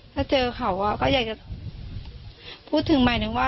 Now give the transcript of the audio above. ถ้าเจอเขาก็อยากจะพูดถึงใหม่นึงว่า